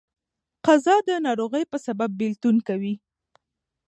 قضا د ناروغۍ په سبب بيلتون کوي.